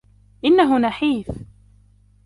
إنه نحيف.